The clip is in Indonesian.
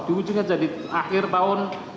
di ujungnya jadi akhir tahun dua ribu tiga belas